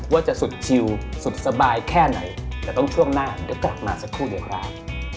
ว่าจะสุดชิวสุดสบายแค่ไหนแต่ต้องช่วงหน้าเดี๋ยวกลับมาสักครู่เดียวครับ